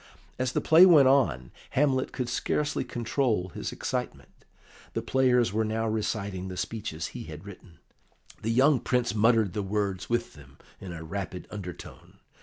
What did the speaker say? As the play went on, Hamlet could scarcely control his excitement. The players were now reciting the speeches he had written; the young Prince muttered the words with them in a rapid undertone.